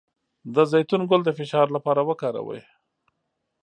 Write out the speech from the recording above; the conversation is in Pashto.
د زیتون ګل د فشار لپاره وکاروئ